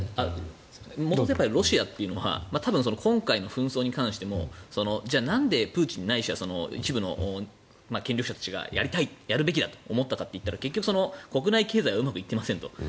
元々ロシアというのは多分、今回の紛争に関してもじゃあなんでプーチンないしは一部の権力者たちがやりたい、やるべきだと思ったかというと結局、国内経済がうまくいっていませんと。